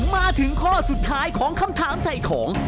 มาถึงข้อสุดท้ายของคำถามถ่ายของ